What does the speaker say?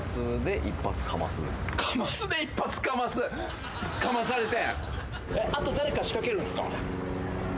「カマスで一発かます」かまされて。